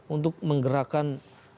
untuk menggerakkan kembali ke masyarakat